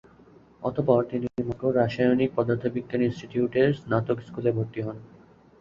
অতঃপর তিনি মস্কোর রাসায়নিক পদার্থবিজ্ঞান ইনস্টিটিউটের স্নাতক স্কুলে ভর্তি হন।